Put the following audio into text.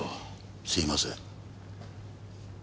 すいません。